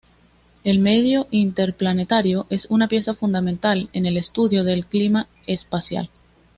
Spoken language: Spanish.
El medio interplanetario es una pieza fundamental en el estudio del clima espacial.